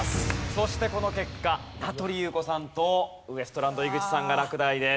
そしてこの結果名取裕子さんとウエストランド井口さんが落第です。